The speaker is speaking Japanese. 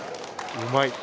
うまい！